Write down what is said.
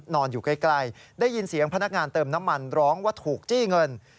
นอนอยู่ใกล้ได้ยินเสียงพนักงานเติมน้ำมันร้องว่าถูกจี้เงิน